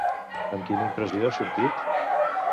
Amb quina impressió ha sortit?